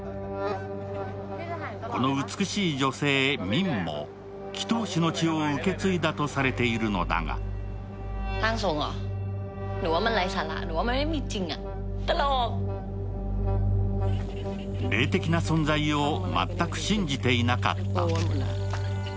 この美しい女性ミンも、祈とう師の血を受け継いだとされているのだが霊的な存在を全く信じていなかった。